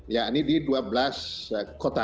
ya ini di dua belas kota